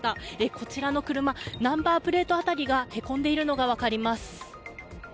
こちらの車ナンバープレート辺りがへこんでいるのが分かります。